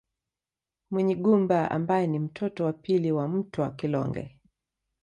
Munyigumba ambaye ni mtoto wa pili wa Mtwa Kilonge